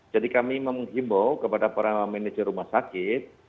jadi kami mengimbau kepada para manajer rumah sakit